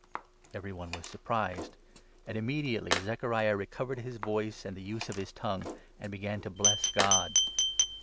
Every one was sur prised ; and immediately Zechariah recovered his voice and the 64 use of his tongue, and began to bless God.